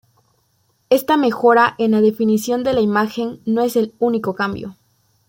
Esta mejora en la definición de la imagen no es el único cambio.